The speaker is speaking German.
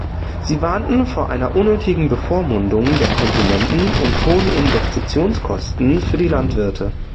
Sie warnten vor einer unnötigen Bevormundung der Konsumenten und hohen Investitionskosten für die Landwirte.